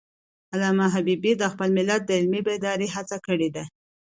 علامه حبیبي د خپل ملت د علمي بیدارۍ هڅه کړی ده.